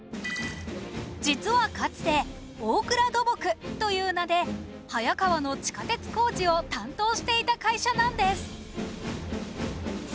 実はかつて「大倉土木」という名で早川の地下鉄工事を担当していた会社なんです